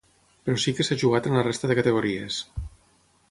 Però sí que s’ha jugat en la resta de categories.